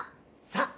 さあ！